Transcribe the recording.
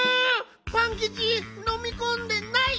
パンキチのみこんでない！